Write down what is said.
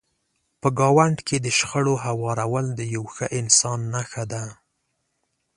په ګاونډ کې د شخړو هوارول د یو ښه انسان نښه ده.